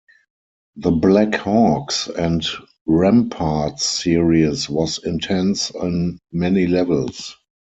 The Black Hawks and Remparts series was intense on many levels.